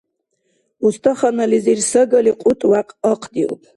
Устаханализир сагали кьутӀ-вякь ахъдиуб.